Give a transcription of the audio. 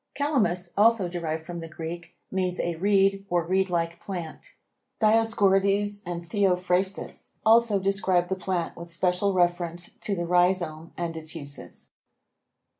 Calamus, also derived from the Greek, means a reed or reed like plant. Dioscorides and Theophrastus also describe the plant with special reference to the rhizome and its uses.